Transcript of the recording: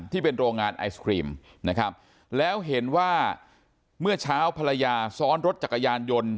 ที่เป็นโรงงานไอศครีมนะครับแล้วเห็นว่าเมื่อเช้าภรรยาซ้อนรถจักรยานยนต์